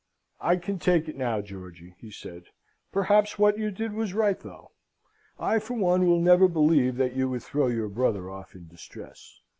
"I can take it now, Georgy," he said. "Perhaps what you did was right, though. I for one will never believe that you would throw your brother off in distress.